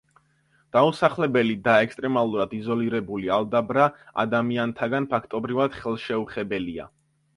დაუსახლებელი და ექსტრემალურად იზოლირებული ალდაბრა ადამიანთაგან ფაქტობრივად ხელშეუხებელია.